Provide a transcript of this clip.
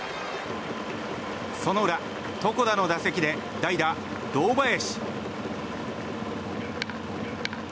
その裏、床田の打席で代打、堂林。